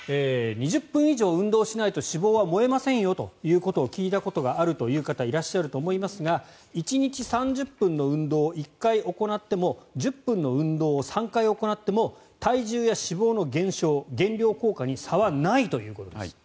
２０分以上運動しないと脂肪は燃えませんよということを聞いたことがあるという方いらっしゃると思いますが１日３０分の運動を１回行っても１０分の運動を３回行っても体重や脂肪の減少減量効果に差はないということです。